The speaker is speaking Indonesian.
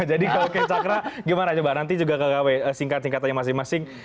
jadi kalau kayak chakra gimana coba nanti juga ke gkw singkat singkat tanya masing masing